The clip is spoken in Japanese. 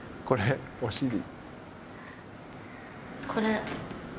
これお尻。